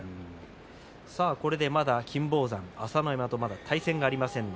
これでまだ金峰山朝乃山とは対戦がありません。